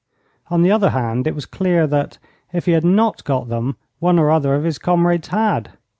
On the other hand, it was clear that, if he had not got them, one or other of his comrades had.